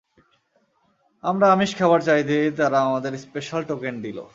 আমরা আমিষ খাবার চাইতেই তারা আমাদের স্পেশাল টোকেন দিল।